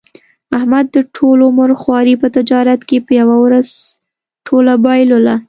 احمد د ټول عمر خواري په تجارت کې په یوه ورځ ټوله بایلوله.